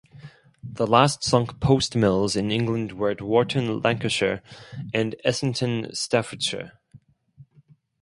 The last sunk post mills in England were at Warton, Lancashire, and Essington, Staffordshire.